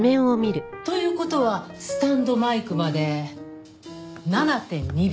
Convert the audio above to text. という事はスタンドマイクまで７．２秒。